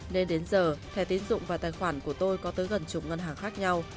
nên đến giờ thẻ tiến dụng và tài khoản của tôi có tới gần chục ngân hàng khác nhau